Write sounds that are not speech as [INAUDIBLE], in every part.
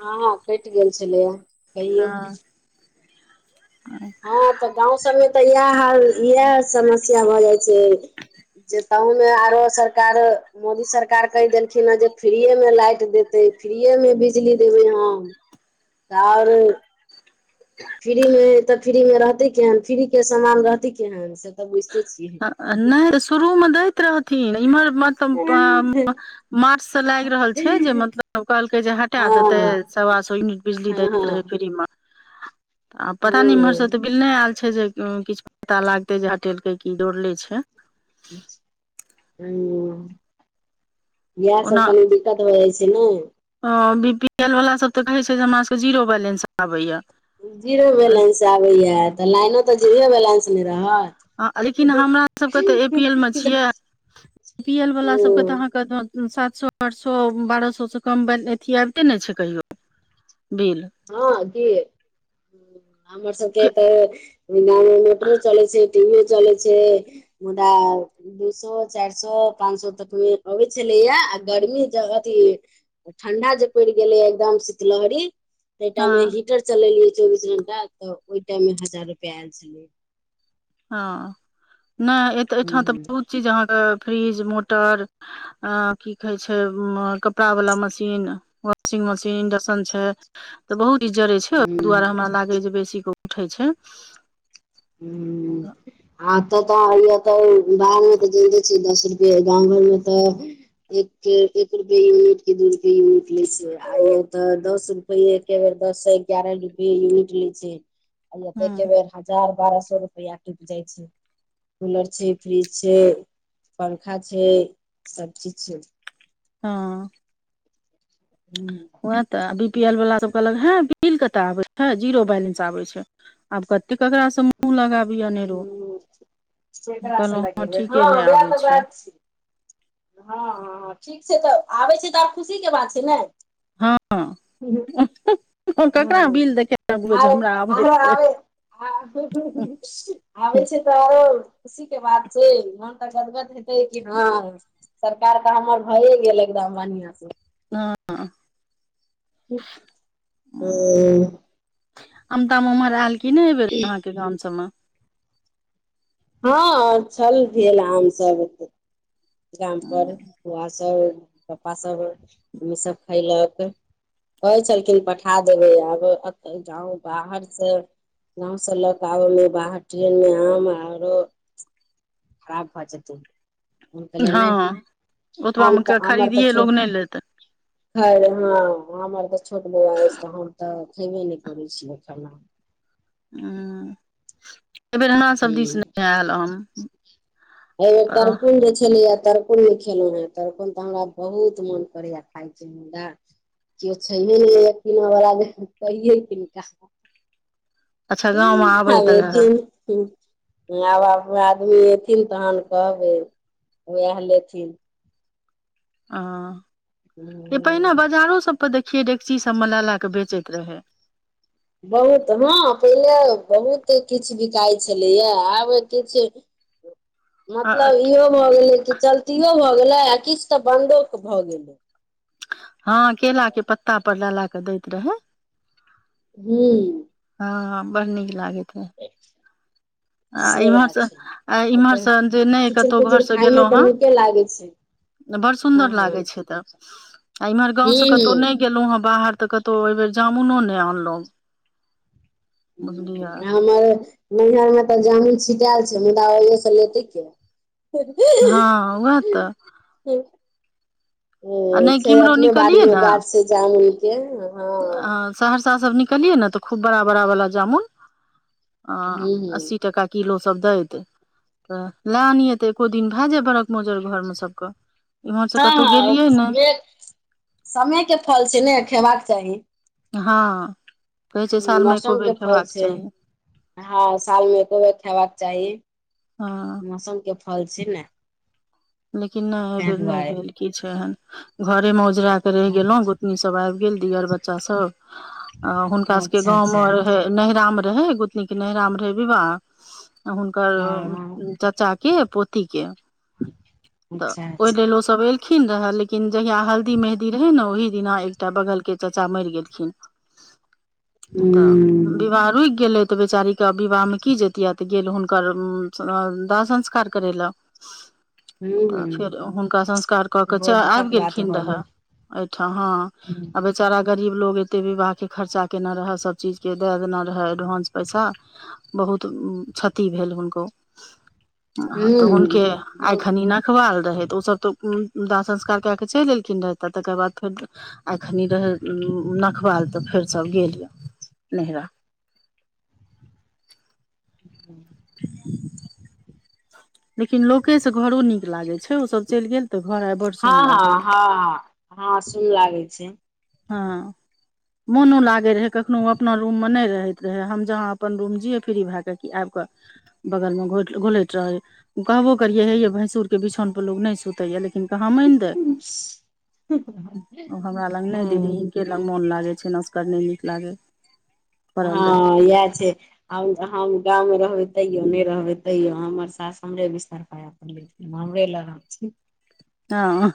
हँँ कटि गेल छलैए हँ हँ तऽ गाँंव सबमे तऽ इएह हाल इएह समस्या भऽ जाइ छै जे तहु मे आरो सरकारो मोदी सरकार कहि देलखिन हे जे फ्रीए मे लाइट देते फ्रीए मे बिजली देबै हम त आर फ्री मे तऽ फ्री मे रहतै केहन फ्री के सामान रहतीै केहन से तऽ बुझिते छियै नय शुरू मे दैत रहथिन इम्हर हँ मतलब हँ मार्च से लागि रहल छै जे मतलब कहलकै जे हटा देते सवा सए यूनिट बिजली हँ दैत रहे हँ फ्री मे आब पता नहि हँ इम्हरसँ तऽ बिल नय आयल छै जे किछु पता लागतै जे हटेलकै की जोर ले छै ह या सब तनी डी दिक्कत भए जाइ छै न ओ बी पी एल वालास सब तऽ कहैत छै जे हमर सभके जीरो बैलेंस आबैए जीरो बैलेंस आबैय तऽ लाइनो तऽ जीरो बैलेंस नय रहत लेकिन हमरा सब के तऽ ए पी एल मे छियै ए पी एल वाला सबके तऽ अहाँके सात सए आठ सए बारह सएसँ कम अथी आबिते नय छै कहियो बिल हँ देत हमार सबके तऽ मोटर चलै छै टीभी ओ चल छै मुदा दू सए चारि सए पाच सए तक मे अबै छलैया आ गर्मी त अथी ठंडा जे पड़ि गेले एकदम शीतलहरी ते हँ टाइमे मे हीटर चलेलियै चौबीस घंटा तऽ ओहि टाइम मे हजार रुपआ आयल छलेै हँ नय एतऽ हूं एहिठाम तऽ बहुत हूं चीज अहाँके फ्रिज मोटर अ की कहे छै उ कपड़ा वाला मशीन वाशिंग मशीन इंडक्शन छै तऽ बहुत ई जड़ै छै ओहि हूं दुआरे हमरा लागै जे बेसी क उठै छै ह आ तऽ तऽ बाहर मे तऽ जजैनते छ दस रुपे गाम घर मे तऽ एक एक रूप यूनिट के दू रुप यूनिट ले छ आ त दस रूप रूपये एके बेर दस गगारह रुप यूनिट ली छै त हँ बेर हजार बारह सए रुपैआ टूट जाइ छै कूलर छै फ्रिज छै पंखा छै सब चीज छै हँ हू वए तऽ बी पी एल वाला सब कहलक हे बिल कतय आबै छै जीरो बैलेंस आबैत छै आब कत ककराास मुूह लगाबिये अनेरो केकरा से कहलहु हँ लगेबै ठीके नय वएह आबे तऽ छै बात हँ हँ ठीक छै तऽ आबै छै तऽ आब खुशीके बात छै ने हँ ककरा हँ बिल देखे जे आरो हमरा आरो आबैत छै [UNINTELLIGIBLE] आबै छै तऽ आरो खुशी के बात छै मन तऽ गदगद हेतै कि नय सरकार तऽ हमर भएए गेल एकदम बढ़आं से ह हु अमता उम्हर आयल की ने एहि बेर अहाँके गाम सबमे हँ छल भेल आम सब गामप बौआ सभ पपा सभ मम्मी सभ खयलक कहै छलखिन पठा देबै आब ए गाँव बाहर से गाँंव से लऽ के आब मे बाहर ट्रेन मे आम आरो खराब भऽ जतई हम कहलियै नय हँ आम ओतबामे तऽ के आमर तऽ खरीदिये छो लोग नहि लेतै ख हँ हमर तऽ छोट बौआ अछि तऽ हम तऽ खेबे नय करै छियै खाना हु अथी एहि बेर तर्कुल जे छलै तरकुल ओ छलाई ह तरकुन तऽ हमरा बहुत मन करेया खाय क केओ छैे नय किन बला कहिये किनका अच्छा गाँवमे [UNINTELLIGIBLE] आबैत रहए आब आब आदमी एथिन तहन कहबै ओए लेथिन ह जे पहिने बाजारो सभपर देखियै डेकची सभ मे ल ला कऽ बेचैत रहै बहुत हँ पहिले बहुत किछु बिकाइ छलैएा आब अते चीज [INAUDIBLE] मतलब इहो भऽ गेलै कि चलतीयौ भऽ गेलै आ किछु तऽ बन्दो भऽ गेलै हँ केला के पत्ता पर ला ला के दैत रहे हु हँ बड़ नीक लागेैत रहै [UNINTELLIGIBLE] आ से इम्हर बात सँ छै आ इम्हर सँ जे नय किचुर कतहु घर कुचुर सँ खायमे गेलहुँ तऽ नीके लागै छै ह बड हँ सुंन्दर हँ लागे छैय तऽ आ इमहर गाँं से कतहु हूँ नय गेलहुं ह बाहर तऽ कतहु आइ बेर जामुनो ने आनलहुं हु हमार नैहर मे तऽ जामुन छिटाएल छैय मुदा ओे से लेते के ह उएह तऽ आ नहि छैय किम्हरो अपने बारी निकलियै मे गाछ से जमुन के अ सहरसा सब निकलियै ने तऽ खूब बड़ा बड़ा बाला जामुन ह हूँ हूँ अस्सी टाका किलो सब दैत तऽ प्लान य तऽ एको दिन भए जाय ब्रख भोजन घर मे सबके इम्हर से ह कतहु गेलियै ने ह यके समय के फल छैय ने खेबाक चाही ह कहै छैय साल मे एको बेर खयबाक चाही ह साल मे एको बेर खयबाक चाही हँ मोसम के फल छैय ने लेकिन नय ए तै बेर नय दुआरे भेल किछ एहन घरे में उजरा के रहि गेलो गोतनी सब आइब गेल दिअर बच्चा सब हुंका सब के अच्छा अच्छा गाममे रहे नैहारा मे रहे गोतनी के नैहारा रहे विवाह हुनकर हँ चच्चा के पोती के तऽ अच्छा ओहि अच्छा लेल ओ सब एलखिन खिन लेकिन जहिया हल्दी मेहदी रहै ने ओहि दिना एकटा बगल के चच्चा मरि गेलखिन [INAUDIBLE] तऽ हूँ विवाह रुकि गेलै तऽ बेचारी क विवाह मे की जतियै तऽ गेल हुनकर दाह संस्कार करै लए [INAUDIBLE] हूँ तऽ हूँ फेर हुनका संस्कार कऽ तऽ च बहुत आबि दुखक बात गेलखिन भऽ रहए गेल एहिठ ह अब बेचारा गरीब लोग एते विवाह के खर्चा केयने रहे सबचीज के दए देने रहे एडवान्स पैसा बहुत क्षति भेल हुनको तऽ हुनके हूँ आइ बहुत खनी नखवाल रहै त ओ सब तऽ उ दाह संस्कार क के चलि एलखिन रहे तऽ तकर बाद फेर एखनि रहै नखबाल तऽ फेर सब गेल यए नैहरा [INAUDIBLE] लेकिन लोके से घरो नीक लागे छैय सब चलि गेल ते घर आ ह ह ह ह सुन लागे छैय हँ मोनो लागै रहै कखनो अपना रूम मे नय रहैत रहै हम जहाँ अपन रूम जियै फ्री भए कऽ कि आबि कऽ बगल में घोलैत रहे कहबो करिये हेये भैसुर के बिछौन पे लोग नय सुते या लेकिन हिनका दहमीन दो ओ हमरा लग दीदी हूँ हिनके लग मोन लागे छैय असगर नौ नीक लागे य ह इएह छैय हम हम गाव में रहबे तैयो ने रहबे तैयो हमर सास हमरे बिस्तर पर रहत हमरे लग रहथिन हाँ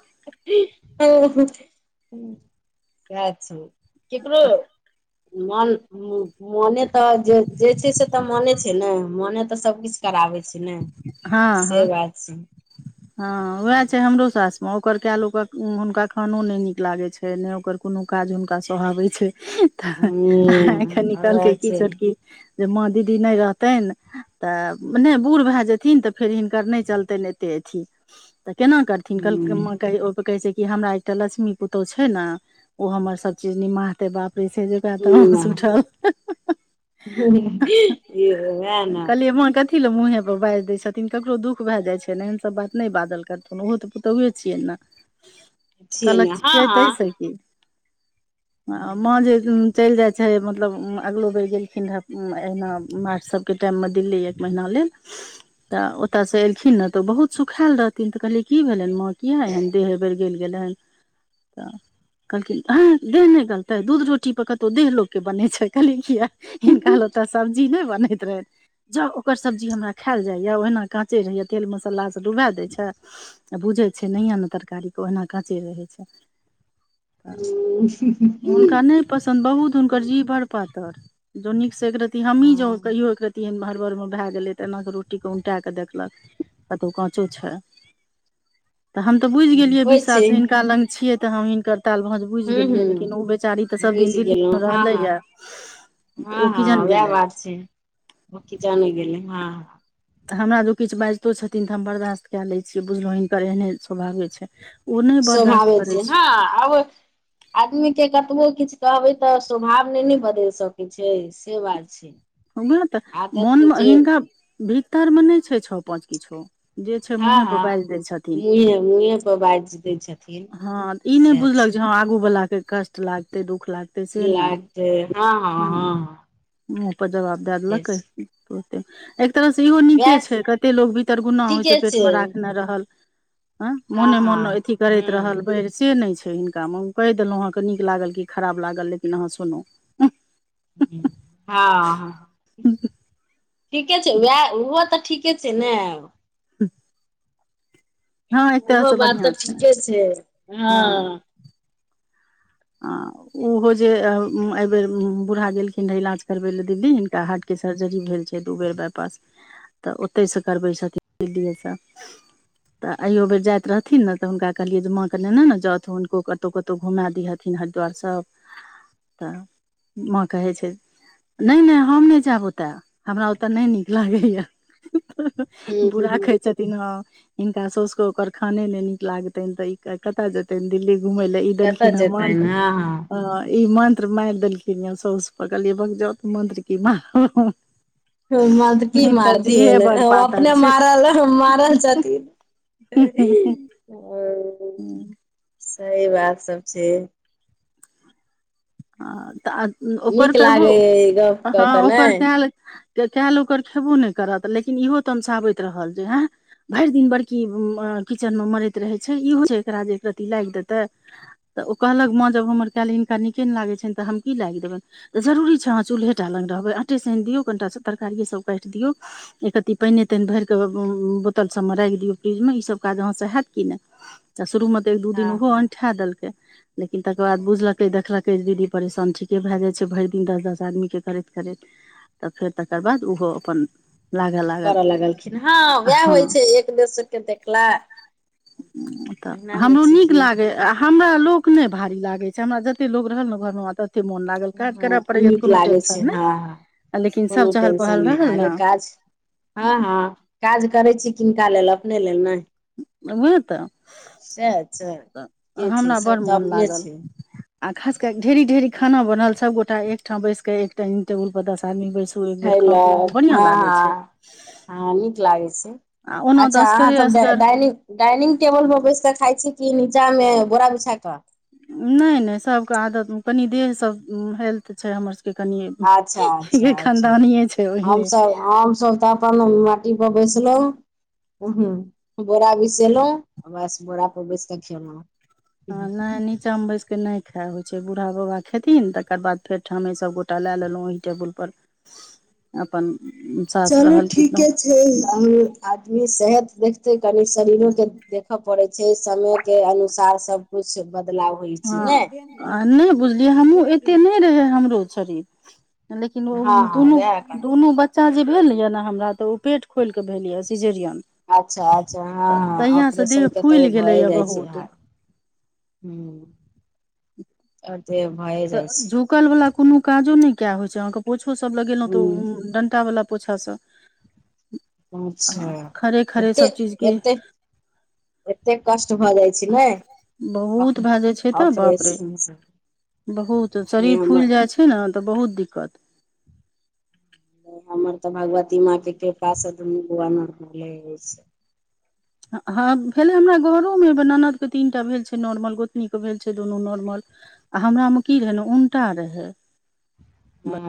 सह छैय केकरो मन मने तऽ जे जे छैय से तऽ मने छैय ने मने तऽ सबकिछु कराबै छैय ने से बात छैय ह वएह छैय हमरो सास मे ओकर क लो हुनका खानो ने नीक लागे छैय नय ओकर कोनो काज हुनका सहबैत छैय तऽ आय ह वएह कलखिन् कि छै छोटकी जे माँ दीदी नय रहतेनि तऽ नहि बूढ़ भए जाथिन त हिनकर त फिर हिँकर नय चलतैन एतय अथि कलके ह माँ ओ प कहै छै कि हमरा एक लक्ष्मी पुतो छै ने ओ हमर सब चीज निमाहते बाप रे से जे त हस उथल वएह ने काल्हिये माँ कथि ल मुहे बाजि दै छथिन ककरो दुःख भए जाइत छै ने एहन सभ बात नय बाजल करथिन ओहो तऽ पुतहुे छियै ने छिये कहलक ने हँ हँ आ माँ जे चलि जाइ छै मतलब अगिलो बेर गेलखिन रहए अहिना मा सब के टाइम मे दिल्ली एक महिना लेल [INAUDIBLE] तऽ ओतयसँ एलखिन ने तऽ ओ बहुत सुखायएल रहथिन तऽ कहलियै की भेलनि माँ किया एहन देहे बेर ग गेलि गेलन [INAUDIBLE] तऽ कहलखिन आय देह नय गलतै दूध रोटी पर कतहु देह लोक के बनै छै कहलियै किए हिनका ले ओते सब्जी नय बनैत रहे जाऊ ओकर सब्जी हमरा खायल जाइए ओहिना काँचै रहैए तेल मसालासभ डुबाए दै छै आ बुझै छै नहिय ने तरकारीे ओहिना काँचे रहै छै तऽ हुनका नय पसन्द बहुत हुनकर जी बर पातर जो नीक से एक रतती हमही जो हँ कहियौ एक रती एहन हड़बर मे भए गेले तैना कऽ रोटी कऽ उल्टै केँ देखलक कतो काचो छै [INAUDIBLE] हम तऽ बुझि गेलिये होइ बीस साल छै से हिनका लग छिये ते हम हिनकर ताल भाज भुझि ह ह गेलियै लेकिन ओ बेचारी तऽ सभदिन बुझि दिल्ली में गेलहुँ हँ हँ रहलैए तऽ हँ ओ हँ किजन वएह गेलै बात छै [INAUDIBLE] उ किजान गेलै हँ तऽ हमरा दो किछ बाजितो छथिन तऽ हम बर्दाश्त कए लै छियै बुझलौ हिनकर एहने स्वभावे छै ओ नहि स्वाभवे बर्दाश्त करै छै हँ आ आदमी केँ कतबो किछ कहबै तऽ स्वभाव नै न बदैल सकै छै से बात छै वैह तऽ मोन आदत में जे हिनका भीतर में नै छै छओ पाँच किछो जे छै हँ मुँहे पर हँ बाइज दै छथिन मुँहे मुँहे पर बाजि दै छथिन [INAUDIBLE] हँ ई नै सएह छै बुझलक जे ह आगू वला केँ कष्ट लागते दुःख लागते से नै जे हँ हँ हँ मुँह पर जबाब दै से दलक [UNINTELLIGIBLE] छै एक तरह स इहो नीके वएह छै कतेक लोक भीतरगुना होइ छै पेटमे राखने रहल हँ मोने मोन हँ अथी करैत रहल ब हूँ से नै छै हिनका मे कैह देलौ अहाँकें नीक लागल कि खराब लागल लेकिन अहाँ सुनू हँ ह [INAUDIBLE] ठीके छै वैह ओहो तऽ ठीक ठीके छै नै ब [UNINTELLIGIBLE] हँ एक तरह ओहो से बात बढ़िआँ तऽ ठीके छै हँ आ [UNINTELLIGIBLE] ओहो जे [UNINTELLIGIBLE] यै बेेर बूढ़ा गेलखिन रहे इलाज करबे ले दिल्ली हिनका हारट केँ सर्जरी भेल छै दू बेर बाइ पास [INAUDIBLE] तऽ ओतै स करबै छथिन दिल्ली स [UNINTELLIGIBLE] तऽ अहियो बेर जाइत रहथिन ने तऽ हुनका कहलियै जे माँकेँ नेने ने जाउथ हुनको कतौ कतौ घुमा दिहथि थीन हरिद्वार सब [INAUDIBLE] तऽ माँ कहै छै नै नै हम नै जायब ओतय हमरा ओतय नै नीक लागैएा [UNINTELLIGIBLE] हूँ हूँ बुरहा हूँ कहै हिन हँ हिनका सौसक ओकर खाने नै नीक लागतेन ते ई कतय जेते त दिल्ली घुम ल ई कतऽ देलखिन [UNINTELLIGIBLE] ह ई मन्त्र माइर देलखिन ये साउस पर कहलियै भग जाउ त मंत्र की मार [UNINTELLIGIBLE] हु मंत्र की जीहे मारथिन बड़ पातर अपने छै मारल मारल छथिन [UNINTELLIGIBLE] सही बात सब छै हँ तऽ ओकर नीक करबो लागे य गप [INAUDIBLE] कऽ हँ के ने ओकर कै तऽ कए लोक ओकर खेबो नै करत लेकिन इहो तमशाबे रहल जे हँ भरि दिन बड़की किचेन में मरैत रहै छै इहो छै एकरा जे एक रति लाइग देतै तऽ ओ कहलक माँ जब हमर कयल हिनका नीके नै लागै छनि तऽ हम की लाइग देबनि तऽ जरूरी छै अहाँ चूल्हे टा लग रहबै आटे साइन दियौ कनिटा तरकारिए सभ काइट दियौ एक रति पाइनै ताइन भैर कऽ बोतल सभ मे राइख दियौ फ्रिजमे ईसभ काज अहाँ स हयैत कि नै [INAUDIBLE] शुरू में त एक दू दिन हँ ओहो हँ अंठा देलके लेकिन तकर बाद बुझलके देखलक कहै दीदी परेशान ठीके भए जाइ छै भरि दिन दस दस आदमीके करैत करैत तऽ फेर तकर बाद ओहो अपन लागेल कर लगलखिन हँ वएह होइ छै एक दोसरके देखला तऽ एना होइ हमरो छै नीक कि लागै हमरा लोग नै भारी लागे छै हमरा जते लोग रहल ने घर में तते मोन लाग हँ नीक लागे छै हँ हँ लेकिन सब कोनो चहल टेंशन पहल नय रहल ने आरे काज हँ हँ काज करै छी किनका लेल अपने लेल नय उएह तऽ छै के छै हमरा बड़ सब तऽ मोन अपने लागल छै आ खास के ढेरी ढेरी खाना बनल सब गोटा एक ठाम बैस के एक डाइनिंग टेबुल पर दस आदमी बैसल तू एक बेर खा पी खयलक बढ़ियां हँ लागै छै हँ हँ नीक लागैत छै आ ओना तऽ अच्छा असगरे अहाँसभ असगर डाइनिंग डाइनिंग टेबल मे बैस के खाइ छी किी नीचा मे बोरा बिछा कऽ नय नय सबके आदतमे कनि देह सब हेल्थ छै हमर सभके के अच्छा कनि के खानदानीे छै ओहिने आम सब तऽ मटीप बेसलो बोरा बिसेलहुँ बस बोरा पर बैस कऽ खेलो ह नय नीचा में बैसके नय खा होइ छै बूढ़ा बाबा खेथिन तकर बाद फेर ठामे सभ गोटा लए लेलु ओही टेबुलपर अपन - - चलू ठीके छै [INAUDIBLE] आदमी सेहत देखतै कनि शरीरोके देखऽ पड़ैत छै समयके अनुसार सब खुद से बदलाव होइ छै ने हँ नय बुझलियै हमहुूँ एते नय रहे हमरो शरीर लेकिन ओ हँ हँ दुनू उएह कहलहुँ दुनू बच बच्चा जे भेल यऽ ने हमरा तऽ ओ पेट खोलिकऽ भेल यऽ सिजेरियन अच्छा अच्छा हँ तऽ हँ तहियासँ ऑपरेशन देह के तऽ फुलि ओ भए गेलैए जाइ छै बहुत हाल हू आ [INAUDIBLE] तऽ झुकल वला कोनो काजो नय क होइ छै अहाँके पोछो सब लगेलहुँ तऽ हूँ ओ डंटा वला पोछास सँ अच्छा खड़े खड़े सब एतेक चीज के एतेक एतेक कष्ट भऽ जाइ छै ने बहुत कहा भए जाइ छै तऽ बाप रे ऑपरेशन सँ बहुत शरीर फुइल जाइ छै ने तऽ बहुत दिक्कत हमर तऽ भगवती माँ के कृपा से दुनू बौआ नोरमले ऐछ हँ भेलै हमरा घरोमे ननदके तीन टा भेल छै नॉर्मल गोतनीके भेल छै दुनू नॉर्मल हमरामे की रहै ने उनटा रहै ह [INAUDIBLE]